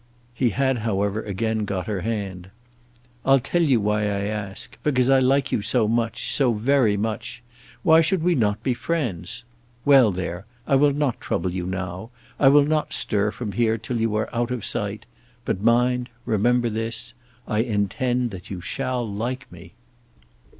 He had however again got her hand. "I'll tell you why I ask; because I like you so much, so very much! Why should we not be friends? Well; there. I will not trouble you now. I will not stir from here till you are out of sight. But mind, remember this; I intend that you shall like me."